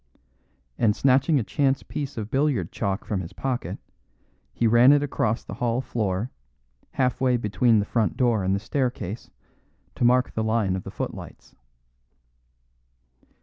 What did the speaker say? And snatching a chance piece of billiard chalk from his pocket, he ran it across the hall floor, half way between the front door and the staircase, to mark the line of the footlights.